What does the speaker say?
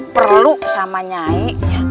perlu sama nyai